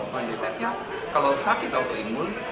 sebenarnya kalau sakit autoimun